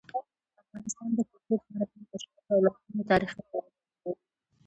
افغانستان د کلتور په اړه ډېر مشهور او لرغوني تاریخی روایتونه لري.